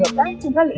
mãi mãi xem tươi